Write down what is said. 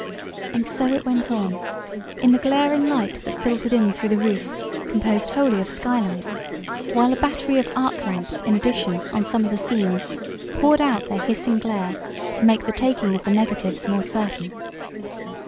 And so it went on, in the glaring light that filtered in through the roof, composed wholly of skylights, while a battery of arc lamps, in addition, on some of the scenes, poured out their hissing glare to make the taking of the negatives more certain.